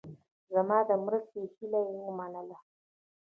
زما د مرستې هیله یې ومنله.